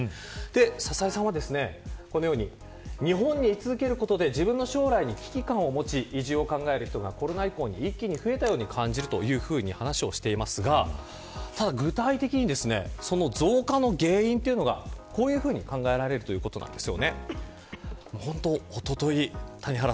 佐々井さんは、このように日本に居続けることで自分の将来に危機感を持ち移住を考える人がコロナ以降に一気に増えたように感じると話していますが具体的にその増加の原因というのはこういうふうに考えられるということです。